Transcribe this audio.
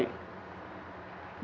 ditawari pekerjaan yang keren